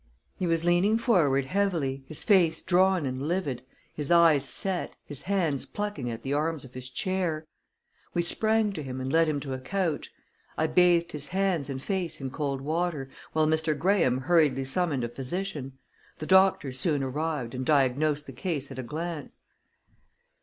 He was leaning forward heavily, his face drawn and livid, his eyes set, his hands plucking at the arms of his chair. We sprang to him and led him to a couch. I bathed his hands and face in cold water, while Mr. Graham hurriedly summoned a physician. The doctor soon arrived, and diagnosed the case at a glance.